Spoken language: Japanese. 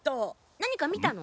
何か見たの？